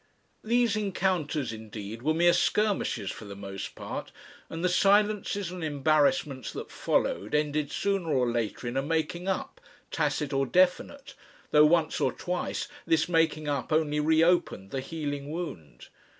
These encounters indeed were mere skirmishes for the most part, and the silences and embarrassments that followed ended sooner or later in a "making up," tacit or definite, though once or twice this making up only re opened the healing wound.